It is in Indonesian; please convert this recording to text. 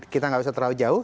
kita nggak usah terlalu jauh